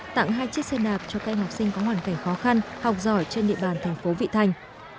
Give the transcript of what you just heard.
tặng hai chiếc xe đạp cho các em học sinh có hoàn cảnh khó khăn học giỏi trên địa bàn thành phố vị thành